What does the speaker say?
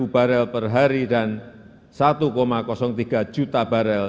enam ratus dua puluh lima barel per hari dan satu tiga juta barel